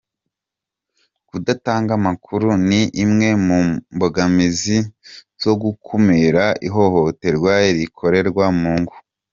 Kudatanga amakuru ni imwe mu mbogamizi zo gukumira ihohoterwa rikorerwa mu ngo